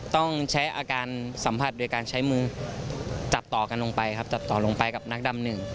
ต้องใช้อาการสัมผัสโดยการใช้มือจับต่อกันลงไปครับจับต่อลงไปกับนักดำหนึ่ง